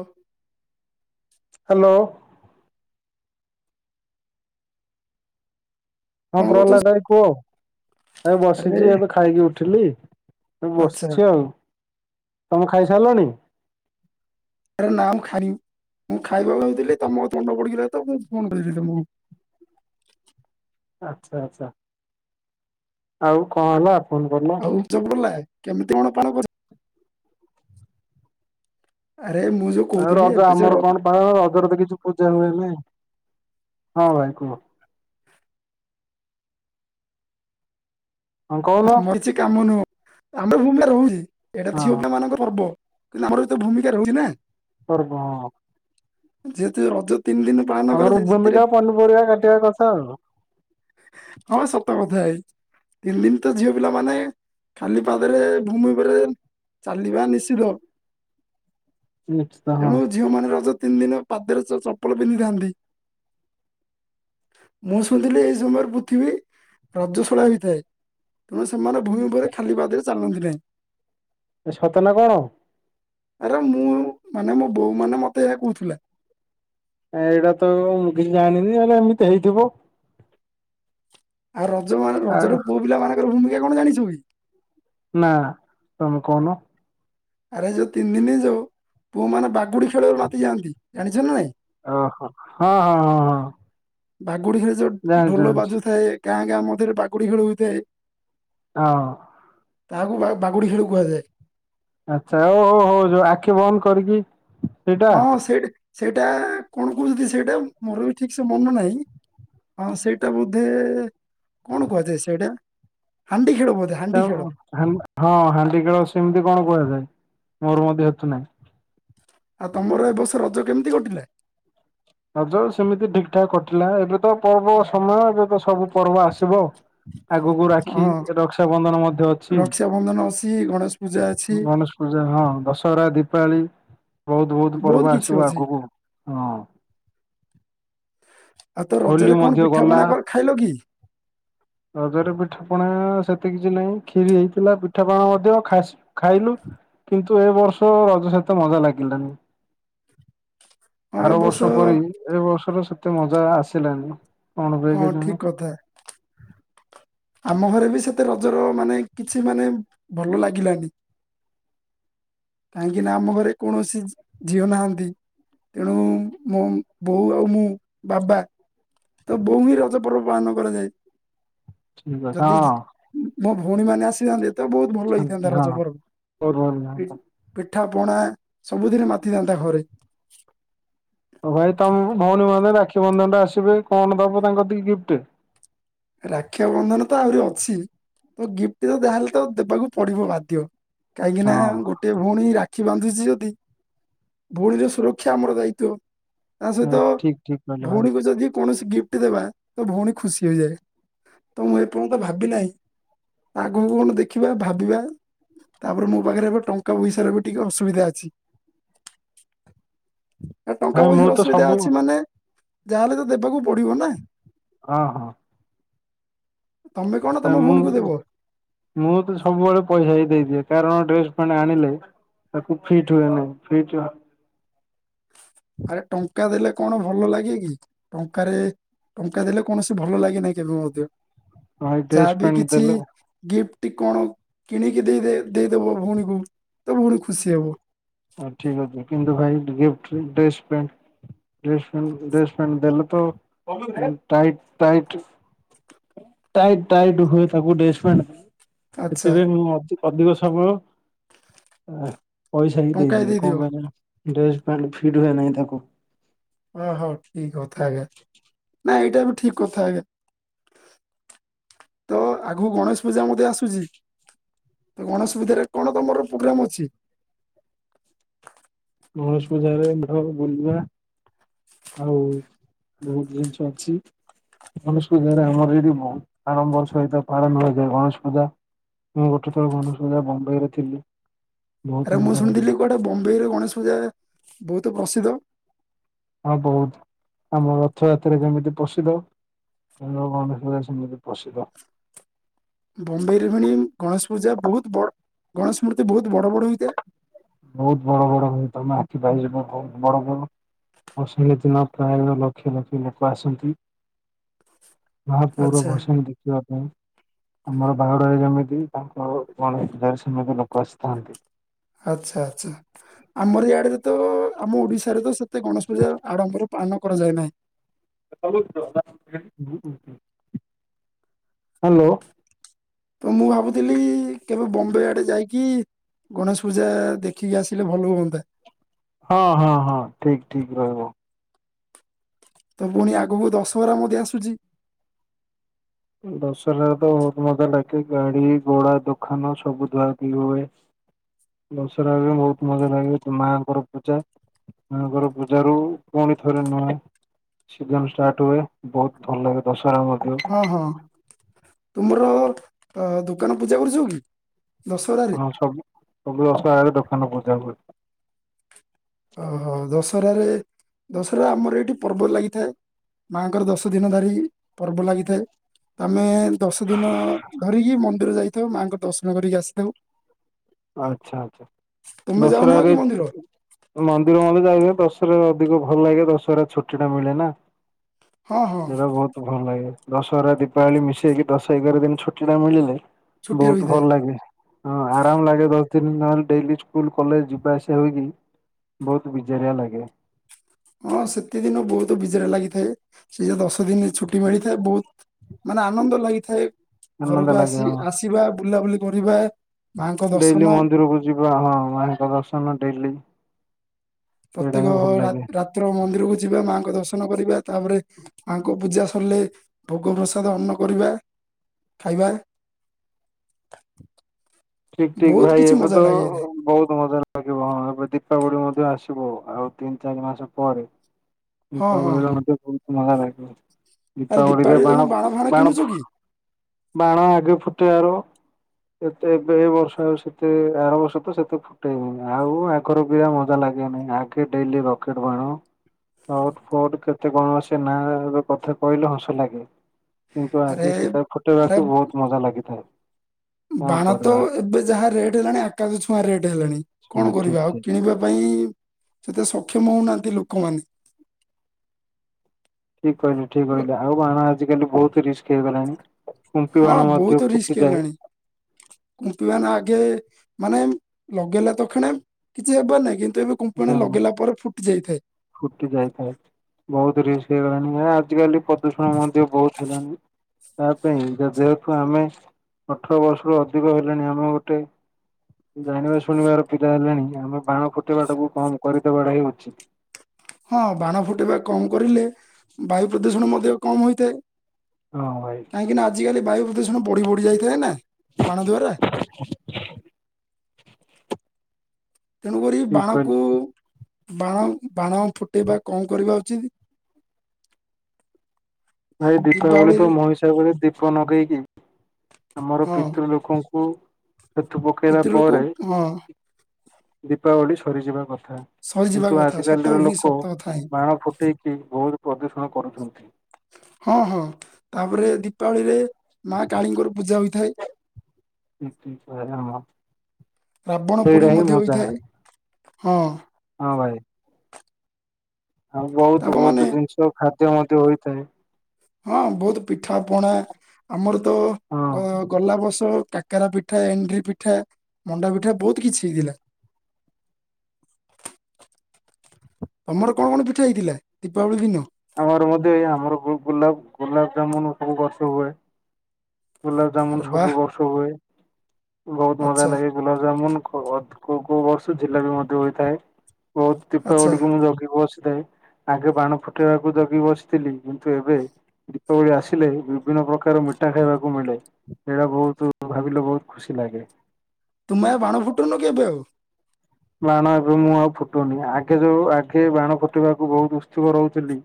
ଓ। Hello. ହଁ କଣ କରୁଛ? ପ୍ରହ୍ଲାଦ ଭାଇ କୁହ। ଏ ଆରେ ବସିଛି ଏବେ ଖାଇକି ଉଠିଲି ଏ ଆଚ୍ଛା ବସିଛି ଆଉ। ତମେ ଖାଇସାରିଲଣି? ଆରେ ନା ମୁଁ ଖାଇବି, ମୁଁ ଖାଇବାକୁ ଭାବୁଥିଲି ତମ କଥା ମନେ ପଡିଗିଲା ତ ମୁଁ ଫୋନ୍ କରିଲି ତମକୁ। ଆଚ୍ଛା-ଆଚ୍ଛା। ଆଉ କଣ ହେଲା? ଫୋନ କଲ? ଆଉ ଚଗଲା କେମିତି କଣ ପାଣ କର? ଆରେ ମୁଁ ଯୋଉ ଆଉ କହୁଥିଲି ରଜ ଏବେ ଯେ ଆମର ର- କଣ ପାଳନ ରଜରେ ତ କିଛି ପୂଜା ହୁଏନି, ହଁ ଭାଇ କୁହ? ହଁ ଆମର କିଛି କାମ ନୁହଁ, ଆମେ ଭୂମିରେ ରହୁଛି, ଏଇଟା ହଁ ଝିଅ ପିଲା ମାନଙ୍କ ପର୍ବ। କିନ୍ତୁ ଆମର ବି ତ ଭୂମିକା ରହୁଛି ନା। ପର୍ବ ହଁ। ଯେହେତୁ ରଜ ତିନ୍ ଦିନ୍ ଆମର ଭୂମିକା ପନିପରିବା କାଟିବା କଥା ଆଉ। ହଁ ସତ କଥା ଭାଇ ତିନ୍ ଦିନ୍ ତ ଝିଅ ପିଲାମାନେ ଖାଲି ପାଦରେ ଭୂମି ଉପରେ ଚାଲିବା ନିଷିଦ୍ଧ। ନିଷିଦ୍ଧ ହଁ। ତେଣୁ ଝିଅମାନେ ରଜ ତିନି ଦିନ ପାଦରେ ଚପଲ ପିନ୍ଧିଥାନ୍ତି। ମୁଁ ଶୁଣିଥିଲି ଏଇ ସମୟରେ ପୃଥିବୀ ରଜ୍ଵଶିଳା ହୋଇଥାଏ। ତେଣୁ ସେମାନେ ଭୂଇଁ ଉପରେ ଖାଲି ପାଦରେ ଚାଲନ୍ତି ନାହିଁ। ଏ ସତନା କଣ? ଆରେ ମୁଁ ମାନେ ମୋ ବୋଉ ମାନେ ମତେ ଏହା କହୁଥିଲା। ଏଇଟା ତ ମୁଁ କିଛି ଜାଣିନି ହେଲେ ଏମିତି ହେଇଥିବ। ଆଉ ରଜ ମାନେ ଆଉ ରଜରେ ପୁଅ ପିଲା ମାନଙ୍କର ଭୂମିକା କଣ ଜାଣିଛୁ କି? ନା ତମେ କହୁନ। ଆରେ ଯୋଉ ତିନି ଦିନ ଯୋଉ ପୁଅ ମାନେ ବାଗୁଡି ଖେଳିବରେ ମାତିଯାଆନ୍ତି, ଜାଣିଛ ନା ନାଇଁ? ଓହୋ ହଁ-ହଁ-ହଁ-ହଁ। ବାଗୁଡି ଖେଳରେ ଯୋଉ ଢୋଲ ବାଜୁଥାଏ ଗାଁ ଗାଁ ମଧ୍ୟରେ ବାଗୁଡି ଖେଳ ହୋଇଥାଏ। ହଁ। ତାହାକୁ ବା ବାଗୁଡ଼ି ଖେଳକୁ କୁହାଯାଏ। ଆଚ୍ଛା ଓହୋ ହୋ ଯୋଉ ଆଖି ବନ୍ଦ କରିକି ସେଇଟା ହଁ ସେଇଟା-ସେଇଟା କଣ କହୁଛନ୍ତି ସେଇଟା ମୋର ବି ଠିକସେ ମନ ନାହିଁ। ହଁ ସେଇଟା ବୋଧେ କଣ କୁହାଯାଏ ସେଇଟା ହାଣ୍ଡି ଖେଳ ବୋଧେ? ହାଣ୍ଡି ଖେଳ ହଁ ହାଣ୍ଡି ଖେଳ ସେମିତି କଣ କୁହାଯାଏ ମୋର ମଧ୍ୟ ହେତୁ ନାହିଁ। ଆଉ ତମର ଏ ବର୍ଷ ରଜ କେମିତି କଟିଲା? ରଜ ସେମିତି ଠିକ୍ ଠାକ୍ କଟିଲା, ଏବେ ତ ପର୍ବ ସମୟ ଏବେ ତ ସବୁ ପର୍ବ ଆସିବ। ଆଗକୁ ହଁ ରାଖି ରକ୍ଷାବନ୍ଧନ ମଧ୍ୟ ଅଛି। ରକ୍ଷାବନ୍ଧନ ଅଛି, ଗଣେଶ ପୂଜା ଅଛି, ଗଣେଶ ପୂଜା ହଁ, ଦଶହରା, ଦୀପାଳି ବହୁତ୍ ବହୁତ୍ ବହୁତ ପର୍ବ କିଛି ଆସିବ ଅଛି। ଆଗକୁ ହଁ। ଆଉ ତ ହୋଲି ରଜରେ କଣ ମଧ୍ୟ ପିଠା ଗଲା। ପଣା କର ଖାଇଲ କି? ରଜରେ ପିଠା ପଣା ସେତେ କିଛି ନାହିଁ କ୍ଷିରି ହେଇଥିଲା, ପିଠାପଣା ମଧ୍ୟ ଖାସ୍ ଖାଇଲୁ କିନ୍ତୁ ଏ ବର୍ଷ ରଜ ସେତେ ମଜା ଲାଗିଲାନି। ହଁ ଏ ବର୍ଷ ଆରବର୍ଷ ପରି ଏ ବର୍ଷର ସତେ ମଜା ଆସିଲାନି। କଣ ପାଇଁ ହଁ କେଜାଣି? ଠିକ୍ କଥା। ଆମ ଘରେ ବି ସେତେ ରଜର ମାନେ କିଛି ମାନେ ଭଲ ଲାଗିଲାନି। କାହିଁକିନା ଆମ ଘରେ କୌଣସି ଝିଅ ନାହାନ୍ତି। ତେଣୁ ମୋ ବୋଉ ଆଉ ମୁଁ ବାବା ତ ବୋଉଣି ରଜପର୍ବ ପାଳନ କରାଯାଏ। ଠିକ୍ ଅଛି ଯଦିଜ୍ ହଁ ମୋ ଭଉଣୀମାନେ ଆସିଯାନ୍ତି ତ ବହୁତ୍ ଭଲ ଥାନ୍ତି ହେଇଥାନ୍ତା ହଁ ରାଜପର୍ବ। ବହୁତ ଭଲ ଲାଗନ୍ତା। ପିଠା ପଣା ସବୁଦିନ ମାତିଥାଆନ୍ତା ଘରେ। ଉ ଭାଇ ତମ ଭଉଣୀ ମାନେ ରାକ୍ଷୀ ବନ୍ଧନ ଟା ଆସିବେ କଣ ଦବ ତାଙ୍କ ଟିକେ ଗିଫ୍ଟ। ରାକ୍ଷି ବନ୍ଧନ ତ ଆହୁରି ଅଛି ତ ଗିଫ୍ଟ ତ ଯହେଲେ ତ ଦେବାକୁ ପଡିବ ବାଧ୍ୟ। କାହିଁକି ନା ହଁ ଗୋଟେ ଭଉଣୀ ରା - - କ୍ଷି ବାନ୍ଧୁଛି ଯଦି ଭଉଣୀର ସୁରକ୍ଷା ଆମର ଦାୟିତ୍ଵ। ତା ସହିତ ଠିକ୍ ଠିକ୍ କହିଲେ ଭାଇ ଭଉଣୀକୁ ଯଦି କୌଣସି ଗିଫ୍ଟ ଦେବା ତ ଭଉଣୀ ଖୁସି ହେଇଯାଏ। ତ ମୁଁ ଏପର୍ଯ୍ୟନ୍ତ ଭାବି ନାହିଁ? ଆଗକୁ କଣ ଦେଖିବା ଭାବିବା। ତାପରେ ମୋ ପାଖରେ ଏବେ ଟଙ୍କା ପଇସା ର ବି ଟିକେ ଅସୁବିଧା ଅଛି। ଏ ଟଙ୍କା ଭାଇ ମୁଁ ପଇସାର ତ ଅସୁବିଧା ସବୁ ଅଛି ମାନେ ଯାହାହେଲେ ତ ଦେବାକୁ ପଡିବ ନା। ହଁ ହଁ। ତମେ କଣ ତମ ମୁଁ ଭଉଣୀକୁ ଦେବ। ମୁଁ ତ ସବୁବେଳେ ପଇସା ହି ଦେଇଦିଏ କାରଣ ଡ୍ରେସ ମାନେ ଆଣିଲେ- - ତାକୁ ଫିଟ ହୁଏ ନାଇଁ ଫିଟ୍ ହୁଆ ଆରେ ଟଙ୍କା ଦେଲେ କଣ ଭଲ ଲାଗେ କି ଟଙ୍କାରେ। ଟଙ୍କା ଦେଲେ କୌଣସି ଭଲ ଲାଗେନାହିଁ କେବେ ମଧ୍ୟ ଭାଇ ଡ୍ରେସ ଯାହାବି ପ୍ୟାଣ୍ଟ କିଛି ଦେଲେ ଗି - - ଫ୍ଟି କଣ କିଣିକି ଦେଇ ଦେଇଦବ ଭଉଣୀକୁ ତ ଭଉଣୀ ଖୁସି ହବ। ହ ଠିକ୍ ଅଛି କିନ୍ତୁ ଭାଇ ଗିଫ୍ଟ ଡ୍ରେସ ପେଣ୍ଟ- - ଡ୍ରେସ ପଣ୍ ଡ୍ରେସ ପ୍ୟାଣ୍ଟ ଦେଲେ ତ ଟାଇ ଟାଇଟ୍ - - ଟାଇଟ ଟାଇଟ୍ ହୁଏ ତାକୁ ଡ୍ରେସ ଫ୍ୟାଣ୍ଟ। ଆଚ୍ଛା ସେଥିପାଇଁ ମୁଁ ଆଜି ଅଧିକ ସମୟ ଆ ସବୁ ଦେଇ ଟଙ୍କାଏ ଦିଏ, ଦେଇଦିଅ କଣ ପାଇଁ ନା ଡ୍ରେସ୍ ପଣ୍ଟ ଫିଟ୍ ହୁଏ ନାହିଁ ତାକୁ। ଓହୋ, କି କଥା ଆଜ୍ଞା ନାଇଁ ଏଇଟା ବି ଠିକ୍ କଥା ଆଜ୍ଞା। ତ ଆଗକୁ ଗଣେଶ ପୂଜା ମଧ୍ଯ ଆସୁଛି। ତ ଗଣେଶ ରେ କଣ ତମୌର ପ୍ରୋଗ୍ରାମ୍ ଅଛି। ଗଣେଶ ପୂଜାରେ ଭଲ ବୁଲିବା। ଆଉ ବହୁତ ଜିନିଷ ଅଛି। ଗଣେଶ ପୂଜାରେ ଆମର ଏଇଠି ବହୁ ଆଡମ୍ବର ସହିତ ପାଳନ କରାଯାଏ ଗଣେଶ ପୂଜା। ମୁଁ ଗୋଟେ ଥର ଗଶେଶ ପୂଜା ବମ୍ବେରେ ଥିଲି। ବହୁତ ଆରେ ମୁଁ ମଜା ଲାଗିଲା ଶୁଣିଥିଲି କୁଆଡେ ବମ୍ବେଇରେ ଗଣେଶ ପୂଜା ବହୁତ ପ୍ରସିଦ୍ଧ? ହଁ ବହୁତ ଆମ ରଥଯାତ୍ରା ଯେମିତି ପ୍ରସିଦ୍ଧ। ବମ୍ବେର ଗଣେଶ ପୂଜା ସେମିତି ପ୍ରସିଦ୍ଧ। ବମ୍ବେରେ ମାନେ ଗଣେଶ ପୂଜା ବହୁତ ବଡ ଗଣେଶ ମୂର୍ତ୍ତି ବହୁତ ବଡ ବଡ ହେଇଥାଏ। ବହୁତ ବଡ ବଡ ହୁଏ ତୋମ ଆଖି ପାଇଯିବ [unintelligible] ବହୁତ ବଡ ବଡ। ଭଷାଣି ଦିନ ପ୍ରାୟ ଲକ୍ଷ ଲକ୍ଷ ଲୋକ ଆସନ୍ତି। ମହାପ୍ରଭୁର ଆଚ୍ଛା ଭଷାଣି ଦେଖିବା ପାଇଁ। ଆମର ବାହୁଡାରେ ଯେମିତି ତାଙ୍କ ଗଣେଶ ପୂଜାରେ ସେମିତି ଲୋକ ଆସିଥାନ୍ତି। ଆଚ୍ଛା, ଆଚ୍ଛା ଆମର ଇଆଡେ ଯେତେଳ ଆମ ଓଡ଼ିଶାରେ ତ ସେତେ ଗଣେଶ ପୂଜା ଆଡ଼ମ୍ବରେ ପାଳନ କରାଯାଏ ନାହିଁ। ହ୍ୟାଲୋ। ତ ମୁଁ ଭାବୁଥିଲି କେବେ ବମ୍ବେ ଆଡେ ଯାଇକି ଗଣେଶ ପୂଜା ଦେଖିକି ଆସିଲେ ଭଲ ହୁଅନ୍ତା। ହଁ, ହଁ, ହଁ, ଠିକ, ଠିକ ରହିବ। ତ ପୁଣି ଆଗକୁ ଦଶହରା ମଧ୍ଯ ଆସୁଛି। ଦଶରା ରେ ତ ବହୁତ ମଜା ଲାଗେ ଗାଡି ଘୋଡା ଦୋକାନ ସବୁ ଧୁଆଧୁଇ ହୁଏ। ହ। ଦଶରା କୁ ବହୁତ ମଜା ଲାଗେ ତ ମାଙ୍କର ପୂଜା। ତାଙ୍କର ପୂଜାରୁ ପୁଣି ଥରେ ମା ସିଜନ୍ ଷ୍ଟାର୍ଟ ହୁଏ, ବହୁତ ଭଲ ଲାଗେ ଦଶହରା ମଧ୍ୟ। ହଁ, ହଁ ତୁମର ଅ, ଦୋକାନ ପୂଜା କରୁଛ କି? ଦଶହରାରେ ହଁ ସବୁ ସବୁ ଦଶହାରେ ଦୋକାନ ପୂଜା ହୁଏ। ଓହୋ, ଦଶରାରେ ଦଶରା ରେ ଆମର ଏଇଠି ପର୍ବ ଲାଗିଥାଏ। ମା ଙ୍କର ଦଶ ଦିନ ଧରି ପର୍ବ ଲାଗିଥାଏ। ତୋମେ ଦଶଦିନ ଧରିକି ମନ୍ଦିର ଯାଇଥାଉ, ମାଙ୍କ ଦର୍ଶନ କରି ଆସିଥାଉ। ଆଚ୍ଛା, ଆଚ୍ଛା ତୁମେ ଯାଉନାହଁ ଦଶରାରେ କି ମନ୍ଦିର [unintelligible] ମନ୍ଦିର ଆମେ ଯାଇକି ଦର୍ଶ ଦଶରା ରେ ଅଧିକ ଭଲ ଲାଗେ ଦଶହରା ଚୁଟି ଟା ମିଳେ ନା। ହଁ ହଁ ଏଟା ବହୁତ ଭଲ ଲାଗେ ଦଶହରା ଦୀପାବଳି ମିଶେଇକି ଦଶ ଏଗାର ଦିନ ଛୁଟି ଟା ମିଳିଲେ ଛୁଟି ବହୁତ ରହିଥାଏ। ଭଲ ଲାଗେ। ହଁ ଆ ରାମ ଲାଗେ ଦଶ ଦିନ ନ ହେଲେ ଡେଲି ସ୍କୁଲ୍ କଲେଜ୍ ଯିବା ଆସିବା କରିକି ବହୁତ ବିଜାରିଆ ଲାଗେ। ହଁ ସେତେ ଦିନ ବହୁତ ବିଜାର ଲାଗିଥାଏ। ସେଇ ଯେ ଦଶ ଦିନ ଛୁଟି ମିଳିଥାଏ ବହୁତ ମାନେ ଆନନ୍ଦ ଲାଗିଥାଏ, ଆନନ୍ଦ ଘରକୁ ଲାଗେ ଆସି ହଁ ଆସିବା ବୁଲାବୁଲି କରିବା। ମାଙ୍କ ଦର୍ଶନ ଡେଲି ମନ୍ଦିରକୁ ଯିବା ହଁ ମା ଙ୍କ ଦର୍ଶନ ଡେଲି। ସେଇଟା ହିଁ ପ୍ରତ୍ୟେକ ଭଲ ଲାଗେ। ରା- ରାତ୍ର ମନ୍ଦିରକୁ ଯିବା ମା ଙ୍କ ଦର୍ଶନ କରିବା। ତା ପରେ ମାଙ୍କ ପୂଜା ସରିଲେ ଭୋଗ ପ୍ରସାଦ ଅନ୍ନ କରିବା। ଖାଇବା ଠିକ୍ ଠିକ୍ ବହୁତ ଭାଇ କିଛି ଏବେ ମଜା ତ ଲାଗେଇଥାଏ ବହୁତ୍ ମଜା ଲା ଲାଗିବ ହଁ ଏବେ ଦୀପାବଳି ମଧ୍ୟ ଆସିବ ଆଉ ତିନି ଚାରି ମାସ ପରେ। ହଁ ହଁ ଦୀପାବଳି ରେ ମଧ୍ୟ ବହୁତ୍ ମଜା ଲାଗିବ। ଆରେ ଦୀପାବଳି ରେ ଦୀପାବଳି ତମେ ବାଣ ଫାଣ ବାଣ କିଣୁଛ ଫୁ କି ବାଣ ଆଗେ ଫୁଟେଇଆରୁ ଏତେ ଏ ବର୍ଷ ଆଉ ସେତେ ଆର ବର୍ଷ ତ ସେତେ ଫୁ ଟେଇ ହେଉନି ଆଉ ଆଗର ଭେଳିଆ ମଜା ଲାଗେ ନାହିଁ ଆଗେ ଡେଲି ରକେଟ୍ ବାଣ ସଟ୍ ଫଟ୍ କେତେ କଣ ସେ ନା ର କଥା କହିଲେ ହସ ଲାଗେ। କିନ୍ତୁ ଆରେ ଆଗେ ସେଟା ଆରେ ଫୁଟେଇବାକୁ ବହୁତ୍ ମଜା ଲାଗିଥାଏ। କଣ ବାଣ ତ କରିବା ଏବେ ଯାହା ରେଟ୍ ହେଲାଣି ଆକାଶ ଛୁଆଁ ରେଟ୍ ହେଲାଣି। ହଁ କଣ ଠିକ କରିବା ଆଉ ଠିକ କିଣିବା ପାଇଁ ସେତେ ସକ୍ଷମ ହଉ ନାହାନ୍ତି ଲୋକ ମାନେ। ଠିକ୍ କହିଲେ ଠିକ୍ କହିଲେ ଆଉ ବାଣ ଆଜି କାଲି ବହୁତ୍ ରିସ୍କ୍ ହେଇ ଗଲାଣି। କୁମ୍ପି ହଁ ବାଣ ବହୁତ ମଧ୍ୟ ରିସ୍କ ଫୁଟି ଯାଏ ହେଲାଣି କୁମ୍ପି ବାଣ ଆଗେ ମାନେ ଲଗେଇଲେ ତ କ୍ଷଣେ କିଛି ହେବେ ନାହିଁ କି ନ୍ତୁ ଏବେ କୁମ୍ପି ବାଣ ଲଗେଇଲା ପରେ ଫୁଟି ଯାଇ ଥାଏ। ଫୁଟି ଯାଇଥାଏ। ବହୁତ୍ ରିସ୍କ୍ ହେଇଗଲାଣି ଏ ଆଜି କାଲି ପ୍ରଦୂଷଣ ମଧ୍ୟ ବହୁତ୍ ହେଲାଣି। ତା ପାଇଁ ଯେହେତୁ ଆମେ ଅଠର ବର୍ଷରୁ ଅଧିକ ହେଲେଣି ଆମେ ଗୋଟେ ଜାଣିବା ଶୁଣିବାର ପିଲା ହେଲେଣି ଆମେ ବାଣ ଫୁଟେଇ ବାଟାକୁ କମ୍ କରିଦେବା ଟା ହିଁ ଉଚିତ୍। ହଁ ବାଣ ଫୁଟେଇବା କମ୍ କରିଲେ ବାୟୁ ପ୍ରଦୂଷଣ ମଧ୍ୟ କମ୍ ହୋଇଥାଏ ହଁ ଭାଇ କାହିଁକି ନା ଆଜିକାଲି ବାୟୁ ପ୍ରଦୂଷଣ ବଢ଼ି ବଢ଼ି ଯାଇ ଥାଏ ନା ବାଣ ଦ୍ୱାରା। [unintelligible] ତେଣୁ କରି ଠିକ କହିଲେ ବାଣକୁ ବାଣ ବାଣ ଫୁଟେଇବା କମ୍ କରିବା ଉଚିତ୍। ଭାଇ ଦୀପାବଳୀ ତ ଦୀପାବଳିରେ ମହିସ୍ ସେତେବେଳେ ଦୀପ ଲଗେଇକି ଆମର ହଁ ପିତୃ ଲୋକଙ୍କୁ ହେତୁ ପକେଇଲା ପିତୃଲୋକ ପରେ ହଁ ଦୀପାବଳି ସରି ଯିବା କଥା। ସରିଯିବା କିନ୍ତୁ କଥା ସତ ଆଜିକାଲିର ହିଁ ଲୋକ ସତ କଥା ହିଁ ବାଣ ଫୁଟେଇକି ବହୁତ୍ ପ୍ରଦୂଷଣ କରୁଛନ୍ତି। ହଁ ହଁ ତା ପରେ ଦୀପାବଳିରେ ମା କାଳୀଙ୍କର ପୂଜା ହୋଇଥାଏ। [unintelligible] ରାବଣ ସେଇଟା ପୋଡ଼ି ହିଁ ମଧ୍ୟ ମଜା ହୋଇଥାଏ ହଁ। ହଁ ଭାଇ। ଆଉ ବହୁତ୍ ତାପ ବହୁତ୍ ମାନେ ଜିନିଷ ଖାଦ୍ୟ ମଧ୍ୟ ହୋଇଥାଏ। ହଁ ବହୁତ୍ ପିଠା ପଣା ଆମର ତ ହଁ। ଗ ଗଲା ବର୍ଷ କା କାକରାପିଠା ଏଣ୍ଡୁରିପିଠା ମଣ୍ଡାପିଠା ବହୁତ୍ କିଛି ହେଇଥିଲା। ତମର କଣ କଣ ପିଠା ହେଇଥିଲା ଦୀପାବଳୀ ଦିନ? ଆମର ମଧ୍ୟ ଏହା ଆମର ଗୁ ଗୁଲାପ୍ ଗୋଲାପ ଜାମୁନ୍ ସବୁ ବର୍ଷ ହୁଏ। ଗୁଲାପ ଜାମୁନ୍ ଆରେ ବାହ ସବୁବର୍ଷ ହୁଏ ବହୁତ୍ ମଜା ଆଚ୍ଛା ଲାଗେ। ଗୁଲାପ ଜାମୁନ୍ କୋ କୋଉ ବର୍ଷ ଜିଲାପି ମଧ୍ୟ ହୋଇଥାଏ। ବହୁତ୍ ଆଚ୍ଛା ଦୀପାବଳିକୁ ମୁଁ ଜଗି ବସିଥାଏ ଆଗେ ବାଣ ଫୁ ଫଟେଇବାକୁ ଜଗି ବସିଥିଲି କିନ୍ତୁ ଏବେ ଦୀପାବଳି ଆସିଲେ ବିଭିନ୍ନ ପ୍ରକାର ମିଠା ଖାଇବାକୁ ମିଳେ ସେଇଟା ବହୁତ୍ ଭାବିଲେ ବହୁତ୍ ଖୁସି ଲାଗେ। ତୁମେ ଆଉ ବାଣ ଫୁଟୁନ ଏବେ ଆଉ? ବାଣ ଏବେ ମୁଁ ଆଉ ଫୁଟଉନି ଆଗେ ଯୋଉ ଆଗେ ବାଣ ଫୁଟିବାକୁ ବହୁତ୍ ଉତ୍ସୁକ ରହୁଥିଲି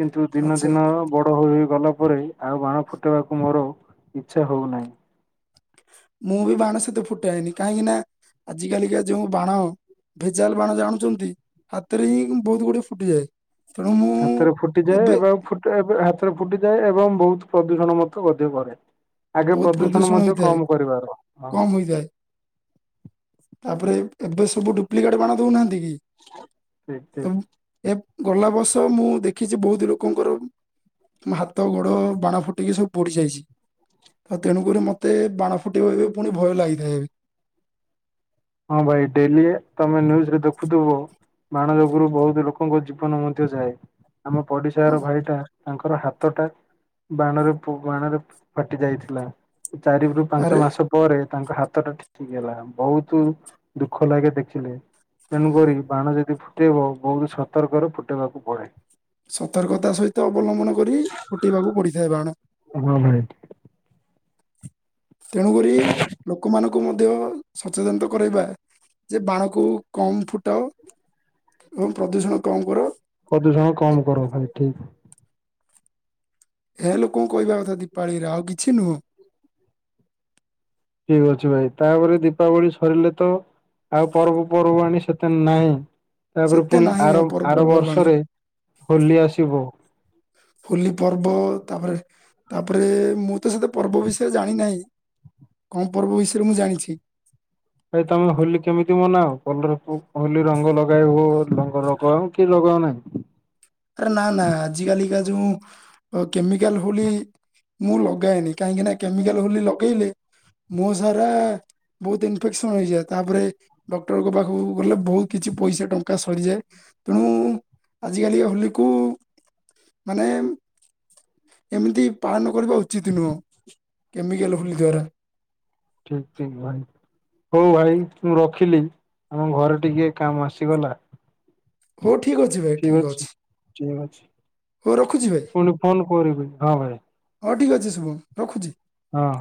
କିନ୍ତୁ ଦିନ ଆଚ୍ଛା ଦିନ ବଡ଼ ହୋଇ ଗଲା ପରେ ଆଉ ବାଣ ଫୁଟାଇବାକୁ ମୋର ଇଚ୍ଛା ହେଉନାହିଁ। ମୁଁ ବି ବାଣ ସେତେ ଫୁଟାଏନି କାହିଁକି ନା ଆଜି କାଲିକା ଯୋଉ ବାଣ। ଭେଜାଲ ବାଣ ଜାଣୁଛନ୍ତି ହାତରେ ହିଁ ବହୁତ ଗୁଡିଏ ଫୁଟିଯାଏ। ତେଣୁ ମୁଁ ହାତରେ ଫୁଟିଯାଏ ଏବେ ଏ ଫୁ ଏବେ ହାତରେ ଫୁଟିଯାଏ ଏବଂ ବହୁତ ପ୍ରଦୂଷଣ ମଧ୍ୟ ଘରେ। ଆଗେ ବହୁତ ପ୍ରଦୂଷଣ ମଧ୍ୟ ହୋଇଥାଏ କମ କରିବାର ହ କମ ହୋଇଥାଏ ତାପରେ ଏବେ ସବୁ ଡୁପ୍ଲିକେଟ ବାଣ ଦଉନାହାନ୍ତି କି? ଠିକ ତ ଠିକ। ଏ ଗଲା ବର୍ଷ ମୁଁ ଦେଖିଛି ବହୁତ ଲୋକଙ୍କର ହାତ ଗୋଡ ବାଣ ଫୁଟିକି ସବୁ ପୋଡିଯାଇଛି। ତେଣୁକରି ମୋତେ ବାଣ ଫୁଟିବବେ ପୁଣି ଭୟ ଲାଗିଥାଏ ବି ହଁ ଭାଇ ଡେଲି ତମେ ନ୍ୟୁଜରେ ଦେଖୁଥିବ? ବାଣ ଯୋଗୁରୁ ବହୁତ ଲୋକଙ୍କ ଜୀବନ ମଧ୍ୟ ଯାଏ ଆମ ହଁ ପଡିଶାର ଭାଇଟା ତାଙ୍କର ହାତଟା ବାଣରେ ବାଣରେ ଫାଟି ଯାଇଥିଲା। ଚାରି ରୁ ପାଞ୍ଚ ଆରେ ମାସ ପରେ ତାଙ୍କ ହାତ ଟା ଠିକ ହେଇଗଲା ବହୁତ ତୁ ଦୁଃଖ ଲାଗେ ଦେଖିଲେ। ତେଣୁକରି ବାଣ ଯଦି ଫୁଟାଇବ ବହୁତ ସତର୍କରେ ଫୁଟାଇବାକୁ ପଡ଼େ। ସତର୍କତା ସହିତ ଅବଲମ୍ବନ କରି ଫୁଟେଇବାକୁ ପଡିଥାଏ ବାଣ। ହଁ ଭାଇ। ତେଣୁକ ଲୋକମାନଙ୍କୁ କୁ ମଧ୍ୟ ସଚେତନତା କରାଇବା ଯେ ବାଣକୁ କମ ଫୁଟାଅ। ଏବଂ ପ୍ରଦୂଷଣ କମ୍ କର। ପ୍ରଦୂଷଣ ଏ- କାମ କର ଭାଇ ଠିକ। ଏହା ଲୋକଙ୍କୁ କହିବା କଥା ଦୀପାଳିରେ ଆଉ କିଛି ନୁହଁ। ଠିକ ଅଛି ଭାଇ ତାପରେ ଦୀପାବଳି ସରିଲେ ତ ଆଉ ପର୍ବ ପର୍ବାଣୀ ସେତେନ ନାହିଁ ତାପରେ ସେତେ ପୁଣି ନାହିଁ ଆମ ଆର ପର୍ବ- ଆର ପର୍ବପର୍ବାଣୀ ବର୍ଷରେ ହୋଲି ଆସିବ। ହୋଲି ପର୍ବ ତାପରେ ତାପରେ ମୁଁ ତ ସେତେ ପର୍ବ ବିଷୟରେ ଜାଣି ନାହିଁ। କମ ପର୍ବ ବିଷୟରେ ମୁଁ ଜାଣିଛି। ଭାଇ ତମେ ହୋଲି କେମିତି ମନାଅ କଲର ହୋଲି ରଙ୍ଗ ଲଗାଇ ହ ଲଙ୍ଗ ରଗ କି ରଗ ନାହିଁ? ଆରେ ନା ନା ଆଜିି କାଲିକା ଯୋଉ କେମିକାଲ ହୋଲି ମୁଁ ଲଗାଏନି କାହିଁକିନା କେମିକାଲ ବୋଲି ଲଗେଇଲେ ମୋ ସାରା ବହୁତ ଇନଫେକ୍ସନ ହେଇଯାଏ ତାପରେ ଡକ୍ଟରଙ୍କ ପାଖକୁ ଗଲେ ବହୁତ କିଛି ପଇସା ଟଙ୍କା ସରିଯାଏ ତେଣୁ ଆଜିକାଲି ହୋଲିକୁ ମାନେ ଏମିତି ପାଳନ କରିବା ଉଚିତ୍ ନୁହଁ କେମିକାଲ ହୁଲି ଦ୍ଵାରା ଠିକ ଠିକ ଭାଇ। ହଉ ଭାଇ ମୁଁ ରଖିଲି ଆମ ଘରେ ଟିକେ କାମ ଆସିଗଲା। ହଉ ଠିକ୍ ଅଛି ଭାଇ ଠିକ ଅଛି ଠିକ ଅଛି ହଉ ରଖୁଛି ପୁଣି ଫୋନ କରିବି ହଁ ଭାଇ। ହଉ ଠିକ୍ ଅଛି ଶୁଭମ ରଖୁଛି? ହଁ।